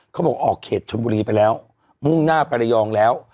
เขาบอกออกเขตชนบุรีไปแล้วมุ่งหน้าไประยองแล้ว